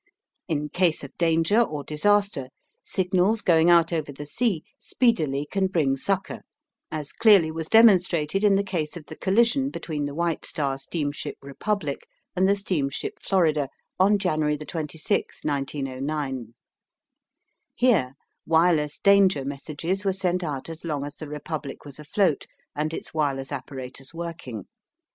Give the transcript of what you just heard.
In case of danger or disaster signals going out over the sea speedily can bring succour, as clearly was demonstrated in the case of the collision between the White Star steamship Republic and the steamship Florida on January 26, 1909. Here wireless danger messages were sent out as long as the Republic was afloat and its wireless apparatus working.